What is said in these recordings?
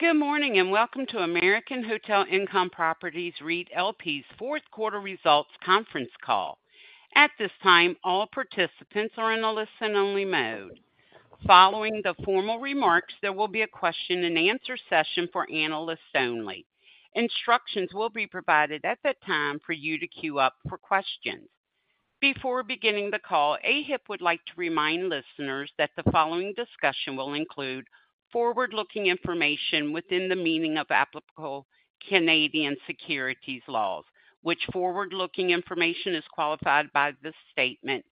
Good morning and welcome to American Hotel Income Properties REIT LP's Fourth Quarter Results Conference Call. At this time, all participants are in a listen-only mode. Following the formal remarks, there will be a question-and-answer session for analysts only. Instructions will be provided at that time for you to queue up for questions. Before beginning the call, AHIP would like to remind listeners that the following discussion will include forward-looking information within the meaning of applicable Canadian securities laws, which forward-looking information is qualified by this statement.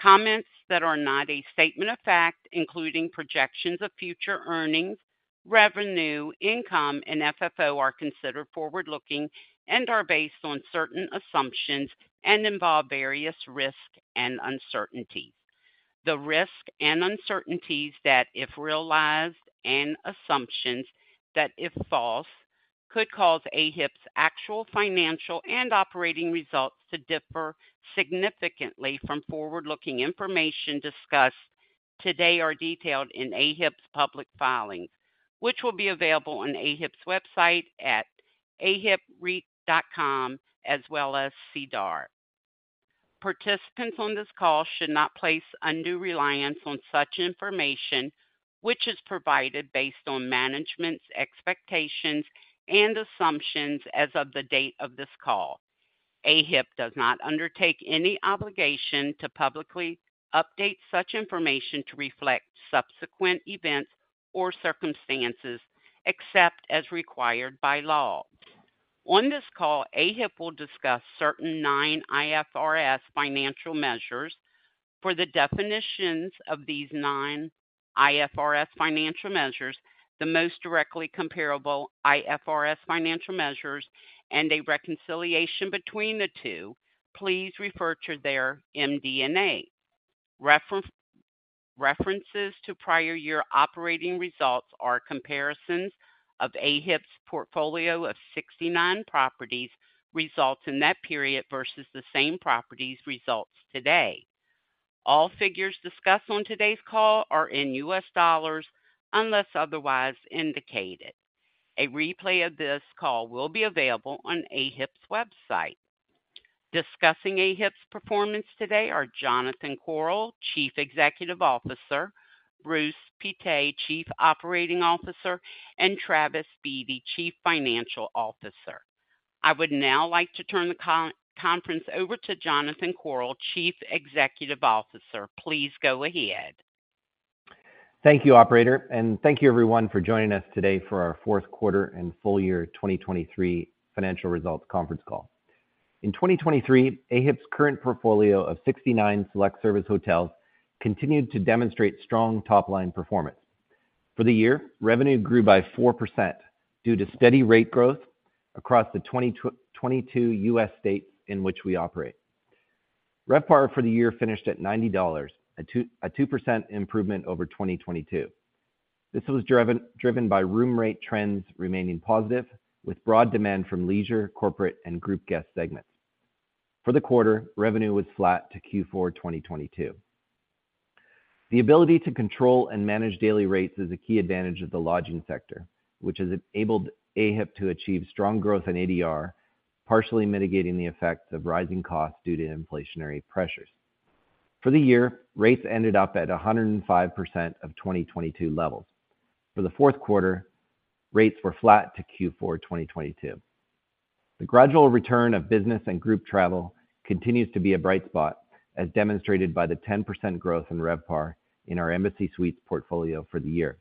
Comments that are not a statement of fact, including projections of future earnings, revenue, income, and FFO, are considered forward-looking and are based on certain assumptions and involve various risk and uncertainties. The risks and uncertainties that, if realized, and assumptions that, if false, could cause AHIP's actual financial and operating results to differ significantly from forward-looking information discussed today are detailed in AHIP's public filings, which will be available on AHIP's website at ahipreit.com as well as SEDAR. Participants on this call should not place undue reliance on such information which is provided based on management's expectations and assumptions as of the date of this call. AHIP does not undertake any obligation to publicly update such information to reflect subsequent events or circumstances except as required by law. On this call, AHIP will discuss certain non-IFRS financial measures. For the definitions of these non-IFRS financial measures, the most directly comparable IFRS financial measures, and a reconciliation between the two, please refer to their MD&A. References to prior year operating results are comparisons of AHIP's portfolio of 69 properties results in that period versus the same properties results today. All figures discussed on today's call are in U.S. dollars unless otherwise indicated. A replay of this call will be available on AHIP's website. Discussing AHIP's performance today are Jonathan Korol, Chief Executive Officer; Bruce Pittet, Chief Operating Officer; and Travis Beatty, Chief Financial Officer. I would now like to turn the conference over to Jonathan Korol, Chief Executive Officer. Please go ahead. Thank you, Operator, and thank you everyone for joining us today for our fourth quarter and full year 2023 financial results conference call. In 2023, AHIP's current portfolio of 69 select-service hotels continued to demonstrate strong top-line performance. For the year, revenue grew by 4% due to steady rate growth across the 22 U.S. states in which we operate. RevPAR for the year finished at $90, a 2% improvement over 2022. This was driven by room rate trends remaining positive with broad demand from leisure, corporate, and group guest segments. For the quarter, revenue was flat to Q4 2022. The ability to control and manage daily rates is a key advantage of the lodging sector, which has enabled AHIP to achieve strong growth in ADR, partially mitigating the effects of rising costs due to inflationary pressures. For the year, rates ended up at 105% of 2022 levels. For the fourth quarter, rates were flat to Q4 2022. The gradual return of business and group travel continues to be a bright spot, as demonstrated by the 10% growth in RevPAR in our Embassy Suites portfolio for the year.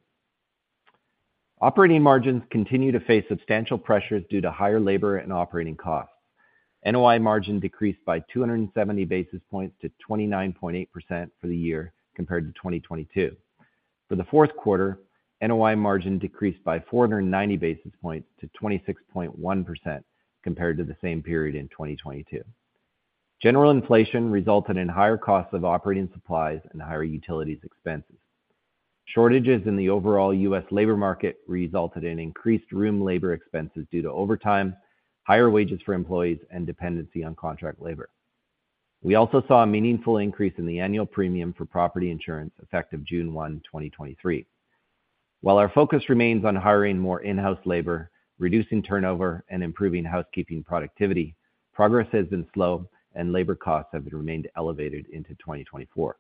Operating margins continue to face substantial pressures due to higher labor and operating costs. NOI margin decreased by 270 basis points to 29.8% for the year compared to 2022. For the fourth quarter, NOI margin decreased by 490 basis points to 26.1% compared to the same period in 2022. General inflation resulted in higher costs of operating supplies and higher utilities expenses. Shortages in the overall U.S. labor market resulted in increased room labor expenses due to overtime, higher wages for employees, and dependency on contract labor. We also saw a meaningful increase in the annual premium for property insurance effective June 1, 2023. While our focus remains on hiring more in-house labor, reducing turnover, and improving housekeeping productivity, progress has been slow and labor costs have remained elevated into 2024.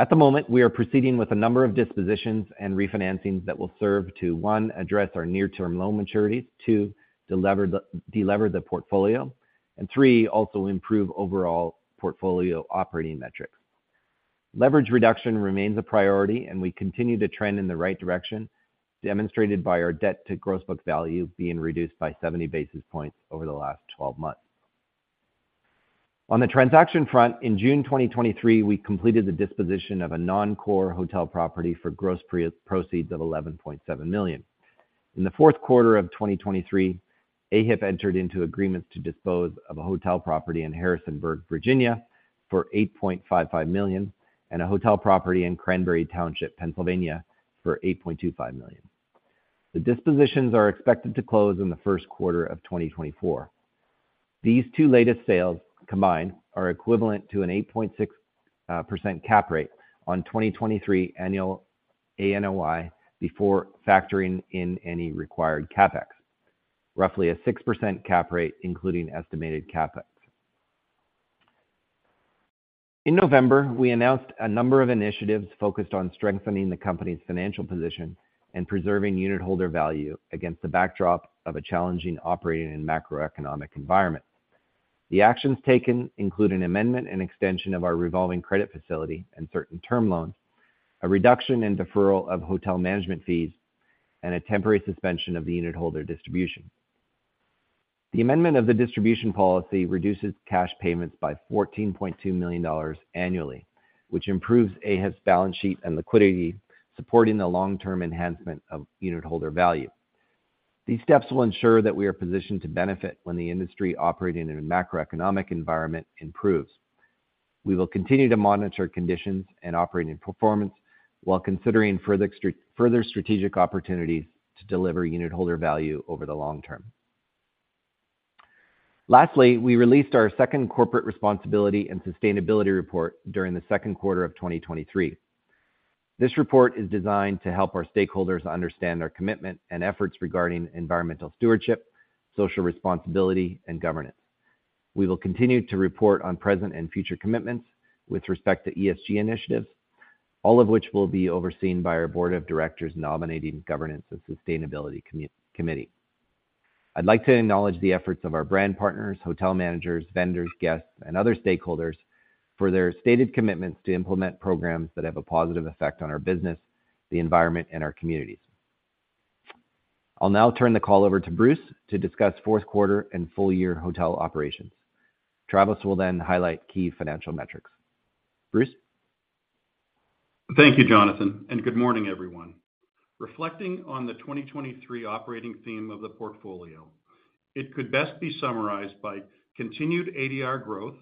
At the moment, we are proceeding with a number of dispositions and refinancings that will serve to, one, address our near-term loan maturities, two, de-lever the portfolio, and three, also improve overall portfolio operating metrics. Leverage reduction remains a priority, and we continue to trend in the right direction, demonstrated by our debt to gross book value being reduced by 70 basis points over the last 12 months. On the transaction front, in June 2023, we completed the disposition of a non-core hotel property for gross proceeds of $11.7 million. In the fourth quarter of 2023, AHIP entered into agreements to dispose of a hotel property in Harrisonburg, Virginia, for $8.55 million, and a hotel property in Cranberry Township, Pennsylvania, for $8.25 million. The dispositions are expected to close in the first quarter of 2024. These two latest sales combined are equivalent to an 8.6% cap rate on 2023 annual ANOI before factoring in any required CapEx, roughly a 6% cap rate including estimated CapEx. In November, we announced a number of initiatives focused on strengthening the company's financial position and preserving unitholder value against the backdrop of a challenging operating and macroeconomic environment. The actions taken include an amendment and extension of our revolving credit facility and certain term loans, a reduction and deferral of hotel management fees, and a temporary suspension of the unitholder distribution. The amendment of the distribution policy reduces cash payments by $14.2 million annually, which improves AHIP's balance sheet and liquidity, supporting the long-term enhancement of unitholder value. These steps will ensure that we are positioned to benefit when the industry operating in a macroeconomic environment improves. We will continue to monitor conditions and operating performance while considering further strategic opportunities to deliver unit holder value over the long term. Lastly, we released our second corporate responsibility and sustainability report during the second quarter of 2023. This report is designed to help our stakeholders understand our commitment and efforts regarding environmental stewardship, social responsibility, and governance. We will continue to report on present and future commitments with respect to ESG initiatives, all of which will be overseen by our board of directors' nominating, governance, and sustainability committee. I'd like to acknowledge the efforts of our brand partners, hotel managers, vendors, guests, and other stakeholders for their stated commitments to implement programs that have a positive effect on our business, the environment, and our communities. I'll now turn the call over to Bruce to discuss fourth quarter and full year hotel operations. Travis will then highlight key financial metrics. Bruce? Thank you, Jonathan, and good morning, everyone. Reflecting on the 2023 operating theme of the portfolio, it could best be summarized by continued ADR growth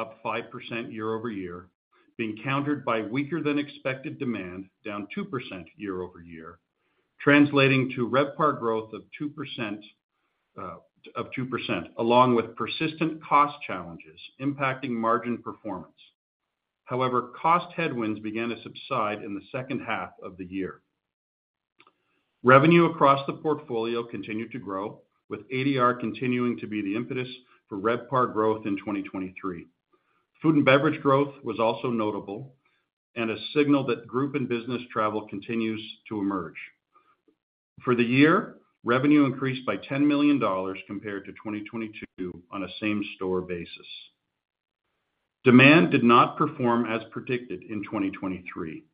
up 5% year-over-year, being countered by weaker-than-expected demand down 2% year-over-year, translating to RevPAR growth of 2% along with persistent cost challenges impacting margin performance. However, cost headwinds began to subside in the second half of the year. Revenue across the portfolio continued to grow, with ADR continuing to be the impetus for RevPAR growth in 2023. Food and beverage growth was also notable and a signal that group and business travel continues to emerge. For the year, revenue increased by $10 million compared to 2022 on a same-store basis. Demand did not perform as predicted in 2023.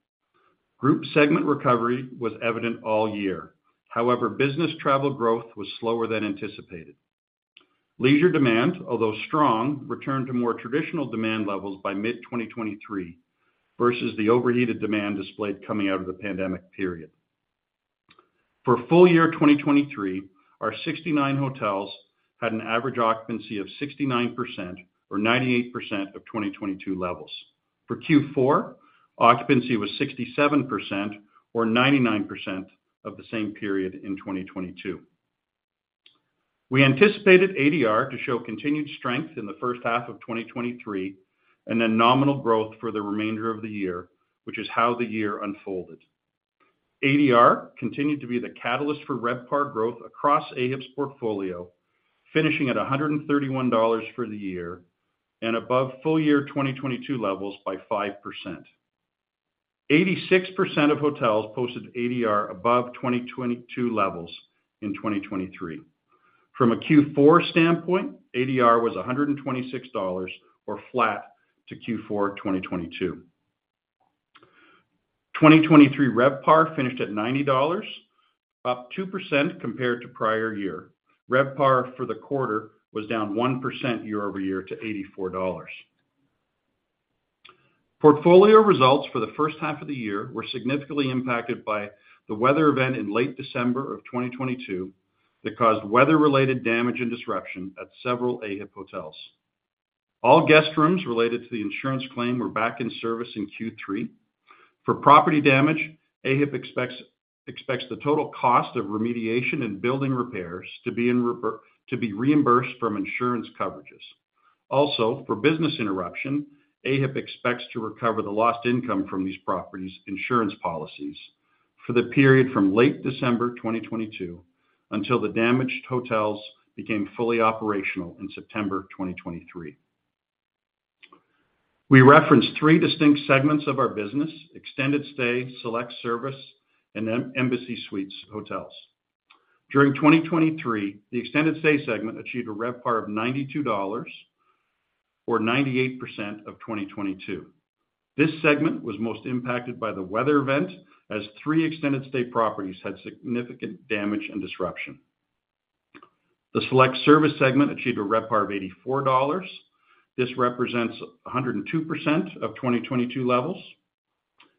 Group segment recovery was evident all year. However, business travel growth was slower than anticipated. Leisure demand, although strong, returned to more traditional demand levels by mid-2023 versus the overheated demand displayed coming out of the pandemic period. For full year 2023, our 69 hotels had an average occupancy of 69% or 98% of 2022 levels. For Q4, occupancy was 67% or 99% of the same period in 2022. We anticipated ADR to show continued strength in the first half of 2023 and then nominal growth for the remainder of the year, which is how the year unfolded. ADR continued to be the catalyst for RevPAR growth across AHIP's portfolio, finishing at $131 for the year and above full year 2022 levels by 5%. 86% of hotels posted ADR above 2022 levels in 2023. From a Q4 standpoint, ADR was $126 or flat to Q4 2022. 2023 RevPAR finished at $90, up 2% compared to prior year. RevPAR for the quarter was down 1% year-over-year to $84. Portfolio results for the first half of the year were significantly impacted by the weather event in late December of 2022 that caused weather-related damage and disruption at several AHIP hotels. All guest rooms related to the insurance claim were back in service in Q3. For property damage, AHIP expects the total cost of remediation and building repairs to be reimbursed from insurance coverages. For business interruption, AHIP expects to recover the lost income from these properties' insurance policies for the period from late December 2022 until the damaged hotels became fully operational in September 2023. We referenced three distinct segments of our business: extended stay, select-service, and Embassy Suites hotels. During 2023, the extended stay segment achieved a RevPAR of $92 or 98% of 2022. This segment was most impacted by the weather event as three extended stay properties had significant damage and disruption. The select-service segment achieved a RevPAR of $84. This represents 102% of 2022 levels.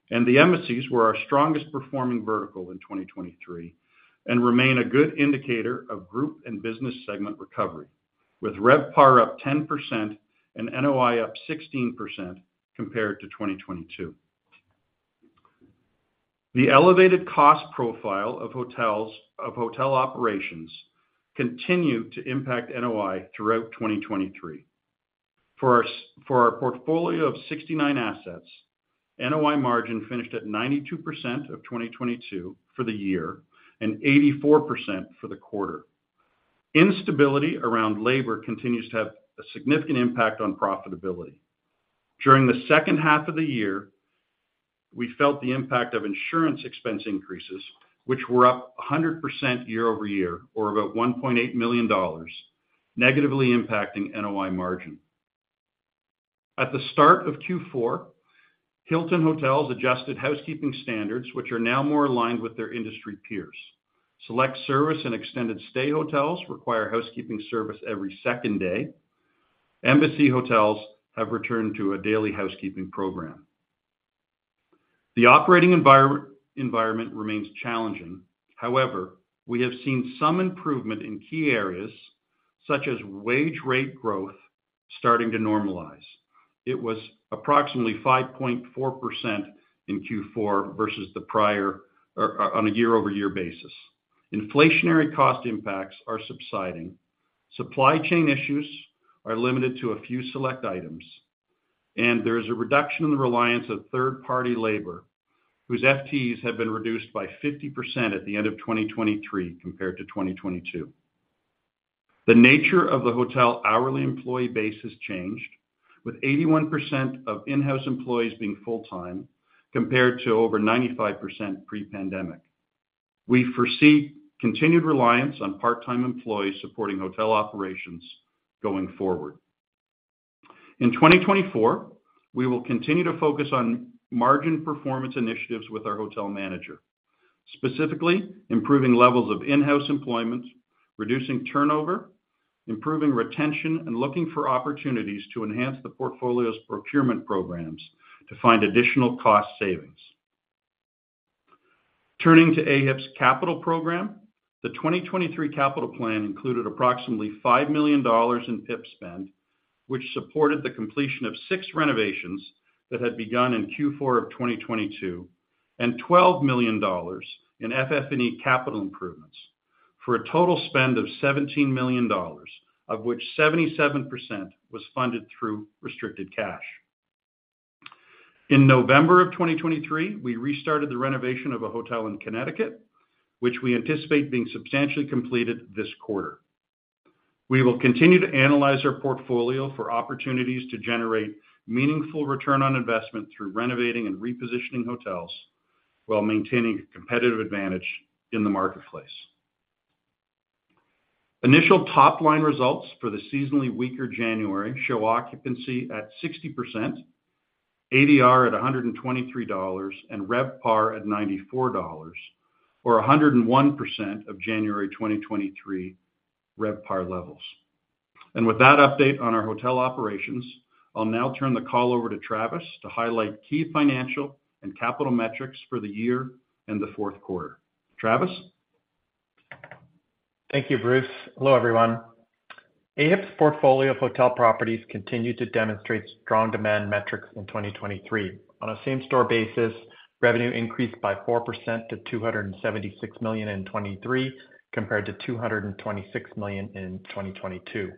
The Embassy Suites were our strongest performing vertical in 2023 and remain a good indicator of group and business segment recovery, with RevPAR up 10% and NOI up 16% compared to 2022. The elevated cost profile of hotel operations continued to impact NOI throughout 2023. For our portfolio of 69 assets, NOI margin finished at 92% of 2022 for the year and 84% for the quarter. Instability around labor continues to have a significant impact on profitability. During the second half of the year, we felt the impact of insurance expense increases, which were up 100% year-over-year or about $1.8 million, negatively impacting NOI margin. At the start of Q4, Hilton Hotels adjusted housekeeping standards, which are now more aligned with their industry peers. Select-service and extended stay hotels require housekeeping service every second day. Embassy hotels have returned to a daily housekeeping program. The operating environment remains challenging. However, we have seen some improvement in key areas such as wage rate growth starting to normalize. It was approximately 5.4% in Q4 versus the prior on a year-over-year basis. Inflationary cost impacts are subsiding. Supply chain issues are limited to a few select items. There is a reduction in the reliance of third-party labor, whose FTEs have been reduced by 50% at the end of 2023 compared to 2022. The nature of the hotel hourly employee base has changed, with 81% of in-house employees being full-time compared to over 95% pre-pandemic. We foresee continued reliance on part-time employees supporting hotel operations going forward. In 2024, we will continue to focus on margin performance initiatives with our hotel manager, specifically improving levels of in-house employment, reducing turnover, improving retention, and looking for opportunities to enhance the portfolio's procurement programs to find additional cost savings. Turning to AHIP's capital program, the 2023 capital plan included approximately $5 million in PIP spend, which supported the completion of six renovations that had begun in Q4 of 2022, and $12 million in FF&E capital improvements, for a total spend of $17 million, of which 77% was funded through restricted cash. In November of 2023, we restarted the renovation of a hotel in Connecticut, which we anticipate being substantially completed this quarter. We will continue to analyze our portfolio for opportunities to generate meaningful return on investment through renovating and repositioning hotels while maintaining a competitive advantage in the marketplace. Initial top-line results for the seasonally weaker January show occupancy at 60%, ADR at $123, and RevPAR at $94, or 101% of January 2023 RevPAR levels. With that update on our hotel operations, I'll now turn the call over to Travis to highlight key financial and capital metrics for the year and the fourth quarter. Travis? Thank you, Bruce. Hello, everyone. AHIP's portfolio of hotel properties continued to demonstrate strong demand metrics in 2023. On a same-store basis, revenue increased by 4% to $276 million in 2023 compared to $226 million in 2022.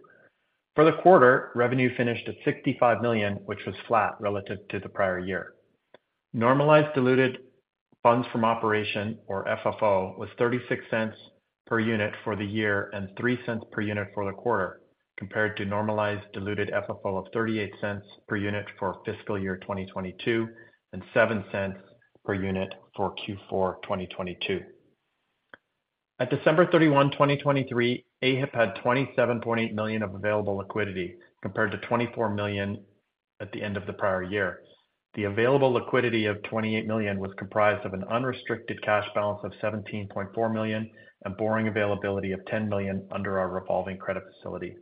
For the quarter, revenue finished at $65 million, which was flat relative to the prior year. Normalized diluted funds from operation, or FFO, was $0.36 per unit for the year and $0.03 per unit for the quarter compared to normalized diluted FFO of $0.38 per unit for fiscal year 2022 and $0.07 per unit for Q4 2022. At December 31, 2023, AHIP had $27.8 million of available liquidity compared to $24 million at the end of the prior year. The available liquidity of $28 million was comprised of an unrestricted cash balance of $17.4 million and borrowing availability of $10 million under our revolving credit facility.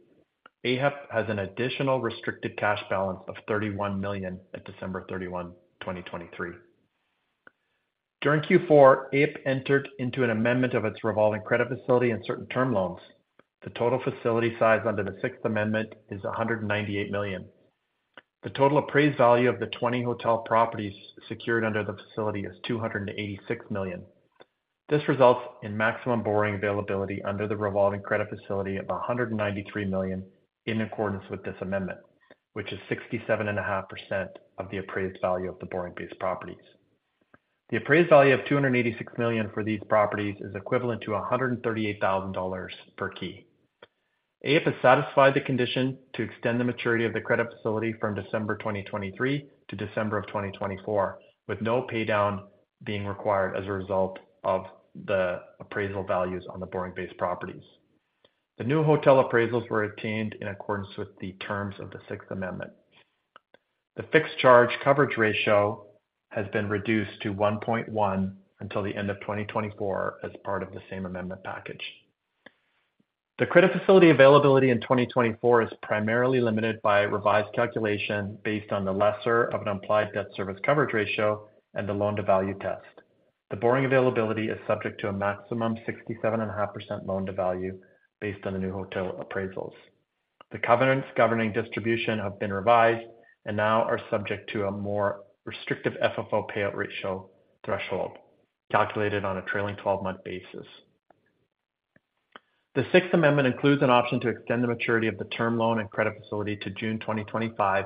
AHIP has an additional restricted cash balance of $31 million at December 31, 2023. During Q4, AHIP entered into an amendment of its revolving credit facility and certain term loans. The total facility size under the Sixth Amendment is $198 million. The total appraised value of the 20 hotel properties secured under the facility is $286 million. This results in maximum borrowing availability under the revolving credit facility of $193 million in accordance with this amendment, which is 67.5% of the appraised value of the borrowing-base properties. The appraised value of $286 million for these properties is equivalent to $138,000 per key. AHIP has satisfied the condition to extend the maturity of the credit facility from December 2023 to December of 2024, with no paydown being required as a result of the appraisal values on the borrowing-based properties. The new hotel appraisals were obtained in accordance with the terms of the Sixth Amendment. The fixed charge coverage ratio has been reduced to 1.1 until the end of 2024 as part of the same amendment package. The credit facility availability in 2024 is primarily limited by revised calculation based on the lesser of an implied debt service coverage ratio and the loan-to-value test. The borrowing availability is subject to a maximum 67.5% loan-to-value based on the new hotel appraisals. The covenants governing distribution have been revised and now are subject to a more restrictive FFO payout ratio threshold calculated on a trailing 12-month basis. The Sixth Amendment includes an option to extend the maturity of the term loan and credit facility to June 2025,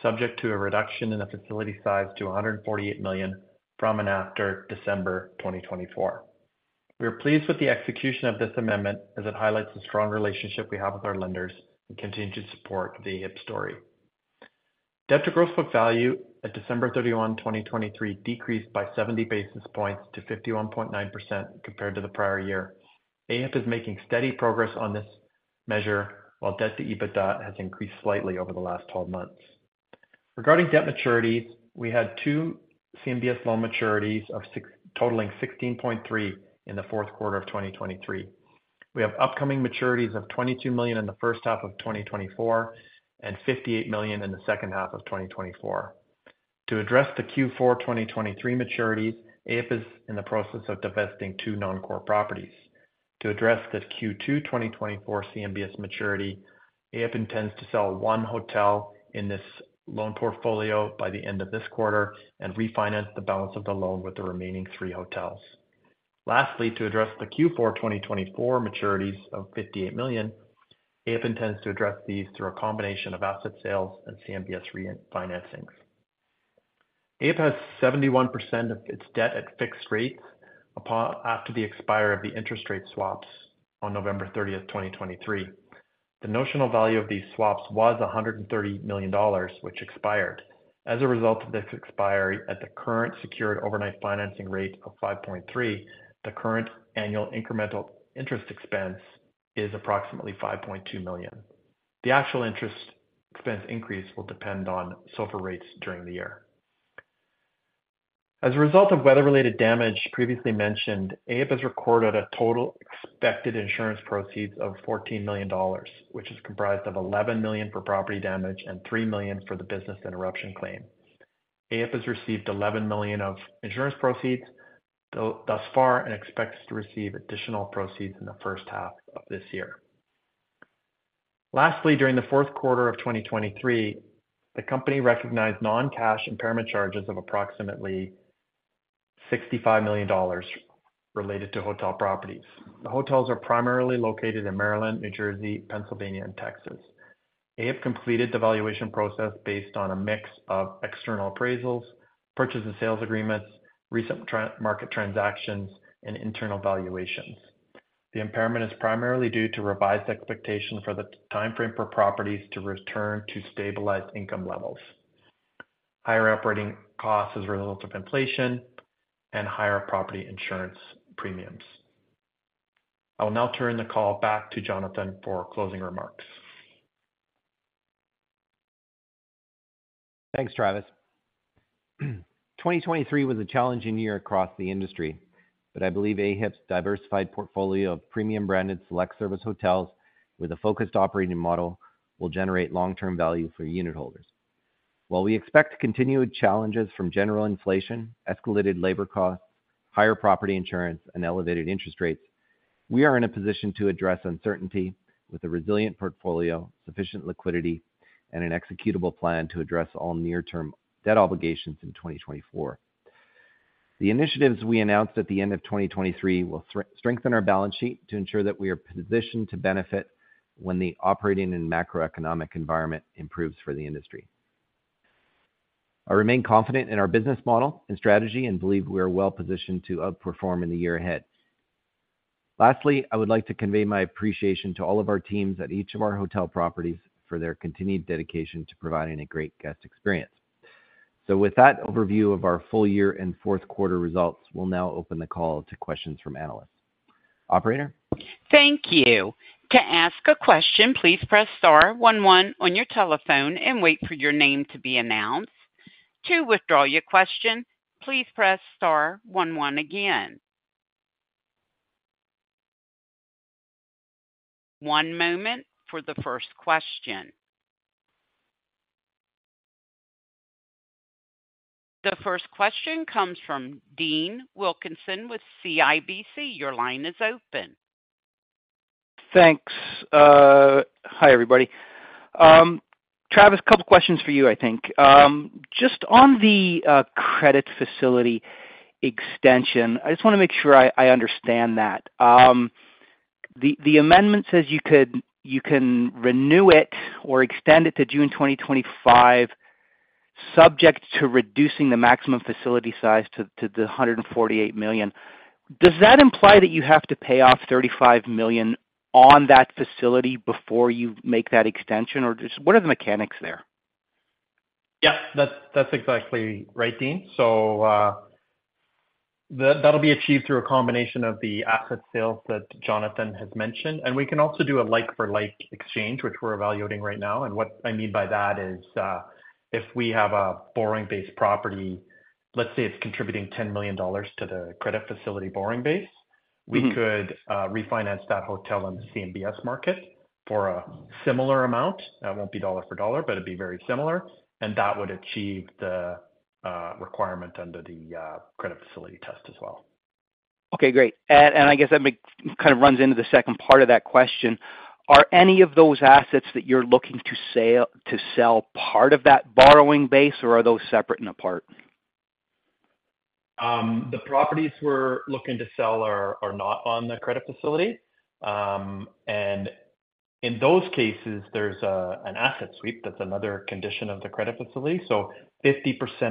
subject to a reduction in the facility size to $148 million from and after December 2024. We are pleased with the execution of this amendment as it highlights the strong relationship we have with our lenders and continues to support the AHIP story. Debt to Gross Book Value at December 31, 2023, decreased by 70 basis points to 51.9% compared to the prior year. AHIP is making steady progress on this measure, while Debt to EBITDA has increased slightly over the last 12 months. Regarding debt maturities, we had two CMBS loan maturities totaling $16.3 million in the fourth quarter of 2023. We have upcoming maturities of $22 million in the first half of 2024 and $58 million in the second half of 2024. To address the Q4 2023 maturities, AHIP is in the process of divesting two non-core properties. To address the Q2 2024 CMBS maturity, AHIP intends to sell one hotel in this loan portfolio by the end of this quarter and refinance the balance of the loan with the remaining three hotels. Lastly, to address the Q4 2024 maturities of $58 million, AHIP intends to address these through a combination of asset sales and CMBS refinancings. AHIP has 71% of its debt at fixed rates after the expiry of the interest rate swaps on November 30, 2023. The notional value of these swaps was $130 million, which expired. As a result of this expiry, at the current Secured Overnight Financing Rate of 5.3, the current annual incremental interest expense is approximately $5.2 million. The actual interest expense increase will depend on SOFR rates during the year. As a result of weather-related damage previously mentioned, AHIP has recorded a total expected insurance proceeds of $14 million, which is comprised of $11 million for property damage and $3 million for the business interruption claim. AHIP has received $11 million of insurance proceeds thus far and expects to receive additional proceeds in the first half of this year. Lastly, during the fourth quarter of 2023, the company recognized non-cash impairment charges of approximately $65 million related to hotel properties. The hotels are primarily located in Maryland, New Jersey, Pennsylvania, and Texas. AHIP completed the valuation process based on a mix of external appraisals, purchase and sales agreements, recent market transactions, and internal valuations. The impairment is primarily due to revised expectations for the timeframe for properties to return to stabilized income levels, higher operating costs as a result of inflation and higher property insurance premiums. I will now turn the call back to Jonathan for closing remarks. Thanks, Travis. 2023 was a challenging year across the industry, I believe AHIP's diversified portfolio of premium-branded select-service hotels with a focused operating model will generate long-term value for unit holders. While we expect continued challenges from general inflation, escalated labor costs, higher property insurance, and elevated interest rates, we are in a position to address uncertainty with a resilient portfolio, sufficient liquidity, and an executable plan to address all near-term debt obligations in 2024. The initiatives we announced at the end of 2023 will strengthen our balance sheet to ensure that we are positioned to benefit when the operating and macroeconomic environment improves for the industry. I remain confident in our business model and strategy and believe we are well positioned to outperform in the year ahead. Lastly, I would like to convey my appreciation to all of our teams at each of our hotel properties for their continued dedication to providing a great guest experience. So with that overview of our full year and fourth quarter results, we'll now open the call to questions from analysts. Operator? Thank you. To ask a question, please press star 11 on your telephone and wait for your name to be announced. To withdraw your question, please press star 11 again. One moment for the first question. The first question comes from Dean Wilkinson with CIBC. Your line is open. Thanks. Hi, everybody. Travis, a couple of questions for you, I think. Just on the credit facility extension, I just want to make sure I understand that. The amendment says you can renew it or extend it to June 2025, subject to reducing the maximum facility size to the $148 million. Does that imply that you have to pay off $35 million on that facility before you make that extension, or what are the mechanics there? Yep, that's exactly right, Dean. So that'll be achieved through a combination of the asset sales that Jonathan has mentioned. We can also do a like-for-like exchange, which we're evaluating right now. What I mean by that is if we have a borrowing-based property, let's say it's contributing $10 million to the credit facility borrowing base, we could refinance that hotel in the CMBS market for a similar amount. That won't be dollar for dollar, but it'd be very similar. That would achieve the requirement under the credit facility test as well. Okay, great. I guess that kind of runs into the second part of that question. Are any of those assets that you're looking to sell part of that borrowing base, or are those separate and apart? The properties we're looking to sell are not on the credit facility. In those cases, there's an asset sweep. That's another condition of the credit facility. 50%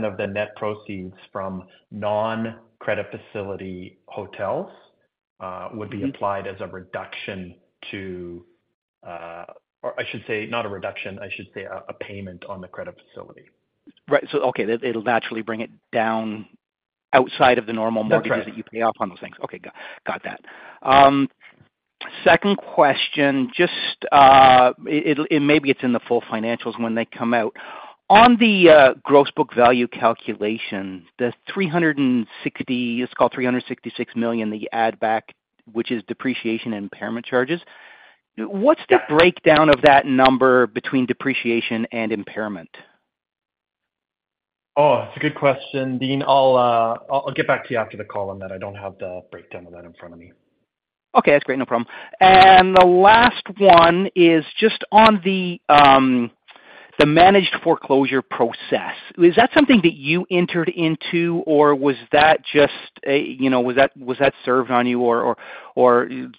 of the net proceeds from non-credit facility hotels would be applied as a reduction to or I should say not a reduction. I should say a payment on the credit facility. Right. So okay, it'll naturally bring it down outside of the normal mortgages that you pay off on those things. Okay, got that. Second question, and maybe it's in the full financials when they come out. On the gross book value calculation, the $360, it's called $366 million, the add-back, which is depreciation and impairment charges. What's the breakdown of that number between depreciation and impairment? Oh, that's a good question, Dean. I'll get back to you after the call on that. I don't have the breakdown of that in front of me. Okay, that's great. No problem. The last one is just on the managed foreclosure process. Is that something that you entered into, or was that just served on you, or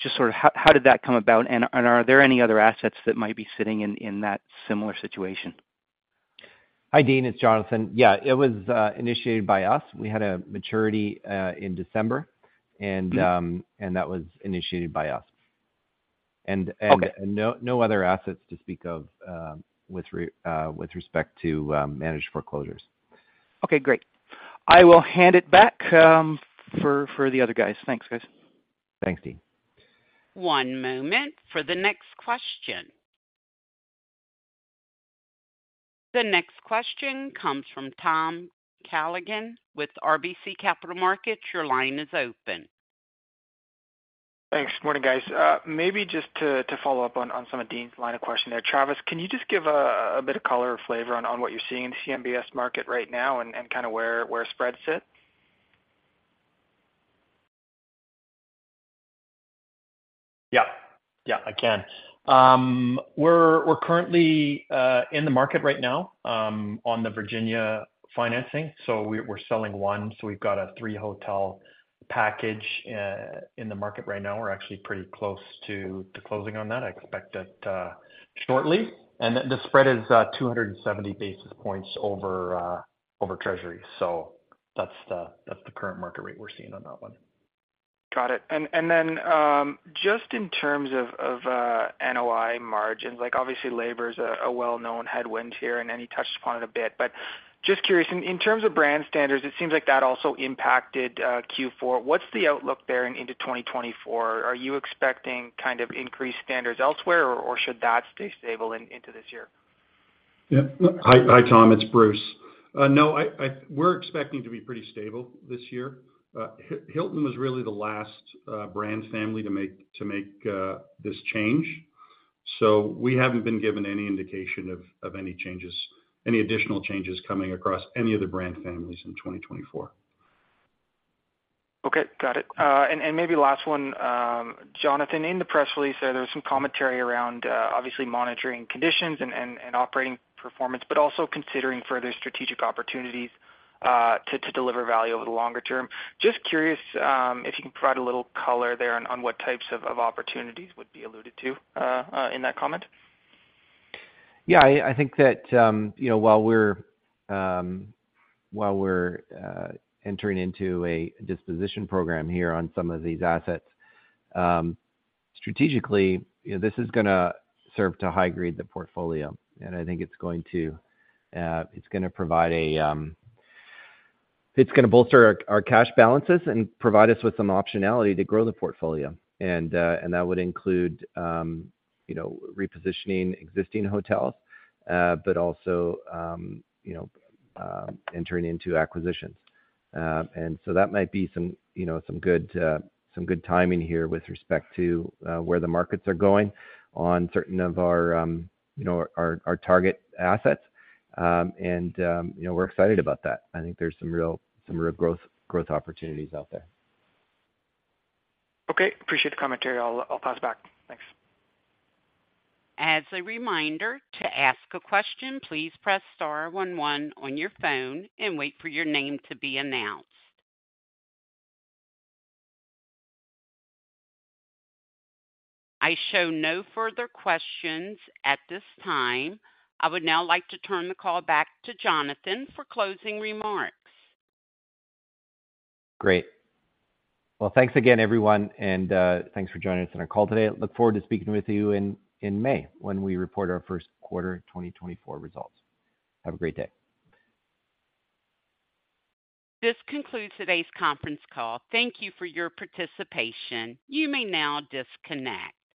just sort of how did that come about? Are there any other assets that might be sitting in that similar situation? Hi, Dean. It's Jonathan. Yeah, it was initiated by us. We had a maturity in December, and that was initiated by us. No other assets to speak of with respect to managed foreclosures. Okay, great. I will hand it back for the other guys. Thanks, guys. Thanks, Dean. One moment for the next question. The next question comes from Tom Callaghan with BMO Capital Markets. Your line is open. Thanks. Good morning, guys. Maybe just to follow up on some of Dean's line of question there. Travis, can you just give a bit of color or flavor on what you're seeing in the CMBS market right now and kind of where spreads sit? Yep. Yep, I can. We're currently in the market right now on the Virginia financing. We're selling one. We've got a 3-hotel package in the market right now. We're actually pretty close to closing on that. I expect it shortly. The spread is 270 basis points over Treasury. That's the current market rate we're seeing on that one. Got it. Then just in terms of NOI margins, obviously, labor is a well-known headwind here, and you touched upon it a bit. Just curious, in terms of brand standards, it seems like that also impacted Q4. What's the outlook there into 2024? Are you expecting kind of increased standards elsewhere, or should that stay stable into this year? Yep. Hi, Tom. It's Bruce. No, we're expecting to be pretty stable this year. Hilton was really the last brand family to make this change. We haven't been given any indication of any additional changes coming across any of the brand families in 2024. Okay, got it. Maybe last one, Jonathan, in the press release there, there was some commentary around, obviously, monitoring conditions and operating performance, but also considering further strategic opportunities to deliver value over the longer term. Just curious if you can provide a little color there on what types of opportunities would be alluded to in that comment? Yeah, I think that while we're entering into a disposition program here on some of these assets, strategically, this is going to serve to high-grade the portfolio. I think it's going to provide. It's going to bolster our cash balances and provide us with some optionality to grow the portfolio. That would include repositioning existing hotels, but also entering into acquisitions. That might be some good timing here with respect to where the markets are going on certain of our target assets. We're excited about that. I think there's some real growth opportunities out there. Okay, appreciate the commentary. I'll pass back. Thanks. As a reminder to ask a question, please press star 11 on your phone and wait for your name to be announced. I show no further questions at this time. I would now like to turn the call back to Jonathan for closing remarks. Great. Well, thanks again, everyone, and thanks for joining us on our call today. Look forward to speaking with you in May when we report our first quarter 2024 results. Have a great day. This concludes today's conference call. Thank you for your participation. You may now disconnect.